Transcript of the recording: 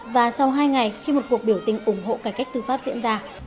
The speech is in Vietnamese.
và sau hai ngày khi một cuộc biểu tình ủng hộ cải cách tư pháp diễn ra